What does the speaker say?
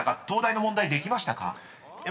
東大の問題できましたか？］